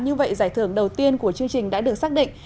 như vậy giải thưởng đầu tiên của chương trình đã được xác định